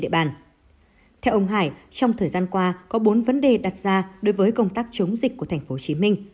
địa bàn theo ông hải trong thời gian qua có bốn vấn đề đặt ra đối với công tác chống dịch tp hcm